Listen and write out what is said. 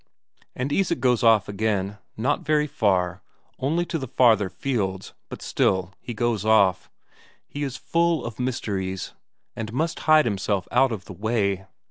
And Isak goes off again not very far, only to the farther fields, but still, he goes off. He is full of mysteries, and must hide himself out of the way.